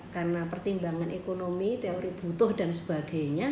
karena pertimbangan ekonomi teori butuh dan sebagainya